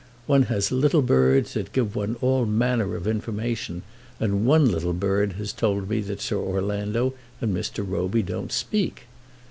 One has little birds that give one all manner of information, and one little bird has told me that Sir Orlando and Mr. Roby don't speak.